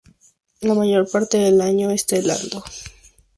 La mayor parte del año está helado.